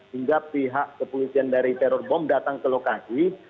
hingga pihak kepolisian dari teror bom datang ke lokasi